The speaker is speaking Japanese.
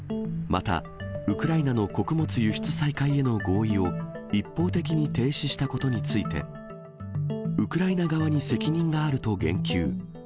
また、ウクライナの穀物輸出再開への合意を一方的に停止したことについて、ウクライナ側に責任があると言及。